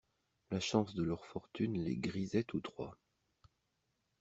La chance de leur fortune les grisait tous trois.